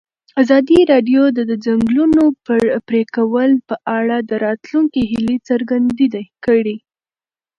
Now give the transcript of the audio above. ازادي راډیو د د ځنګلونو پرېکول په اړه د راتلونکي هیلې څرګندې کړې.